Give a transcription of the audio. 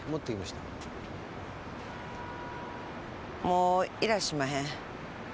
もういらしまへん。